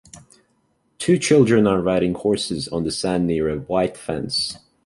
Two children are riding horses on the sand near a white fence.